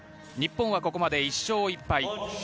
日本はここまで１勝１敗。